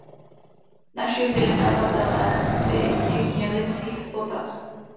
Naši vyjednavatelé by ji měli vzít v potaz.